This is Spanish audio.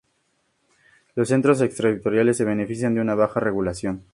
Los centros extraterritoriales se benefician de una baja regulación.